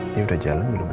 dia udah jalan belum ya